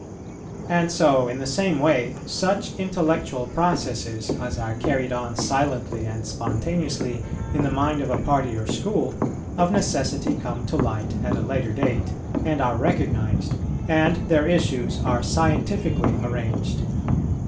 And so in the same way, such intellectual processes, as are carried on silently and spontaneously in the mind of a party or school, of necessity come to light at a later date, and are recognized, and their issues are scientifically arranged.